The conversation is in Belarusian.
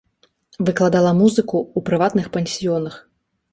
Выкладала музыку ў прыватных пансіёнах.